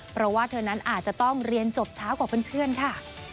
เพราะว่าเธอนั้นอาจจะต้องเรียนจบช้ากว่าเพื่อนค่ะ